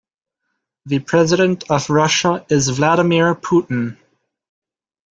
The president of Russia is Vladimir Putin.